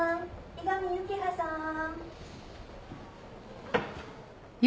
伊上幸葉さん。